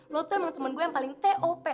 lo tuh emang temen gue yang paling t o p